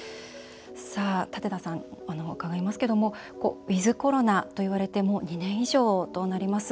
舘田さん、伺いますけどもウィズコロナといわれてもう２年以上となります。